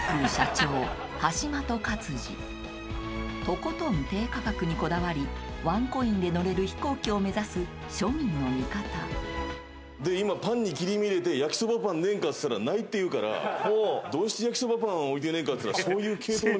［とことん低価格にこだわりワンコインで乗れる飛行機を目指す庶民の味方］で今パンに切り目入れて焼きそばパンねえんかっつったら「ない」って言うからどうして焼きそばパン置いてねえんかっつったら。